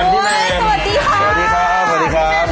สวัสดีค่ะสวัสดีครับสวัสดีครับ